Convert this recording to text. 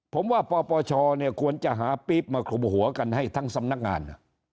ผมว่าปปชเนี่ยควรจะหาปี๊บมาคลุมหัวกันให้ทั้งสำนักงาน